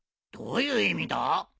どういう意味だ？